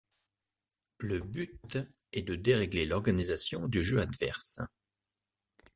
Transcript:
Le but est de dérégler l’organisation du jeu adverse.